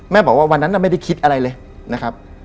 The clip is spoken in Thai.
แม่บอกว่าวันนั้นเราไม่ได้คิดอะไรเลย